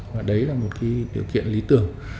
và những điều kiện lý tưởng